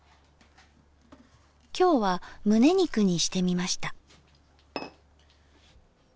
今日はムネ肉にしてみました。